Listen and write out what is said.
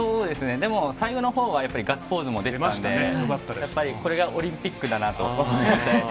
でも、最後のほうはやっぱりガッツポーズも出てましたんで、やっぱりこれがオリンピックだなと思いましたね。